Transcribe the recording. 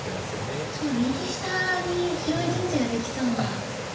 すごい右下に広い陣地ができそうな。